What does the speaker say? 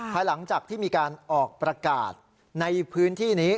ภายหลังจากที่มีการออกประกาศในพื้นที่นี้